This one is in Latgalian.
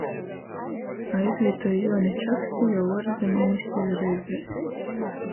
Aizvītoj Juoni Čaksti juo uorzemu miseju reizēs,